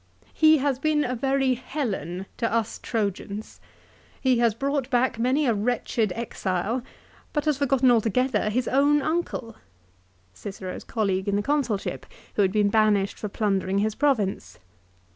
" He has been a very Helen to us Trojans." "He has brought back many a wretched exile, but has forgotten altogether his own uncle ;" Cicero's colleague in the Consulship who had been banished for plundering his province.